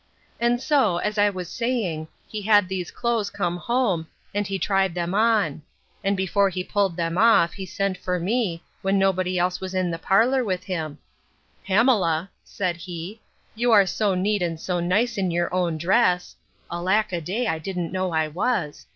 And so, as I was saying, he had these clothes come home, and he tried them on. And before he pulled them off, he sent for me, when nobody else was in the parlour with him: Pamela, said he, you are so neat and so nice in your own dress, (Alack a day, I didn't know I was!)